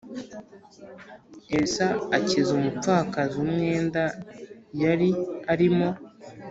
Elisa akiza umupfakazi umwenda yari arimo